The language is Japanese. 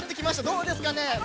どうですかね。